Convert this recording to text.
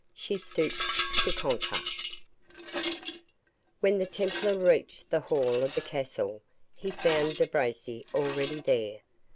SHE STOOPS TO CONQUER When the Templar reached the hall of the castle, he found De Bracy already there.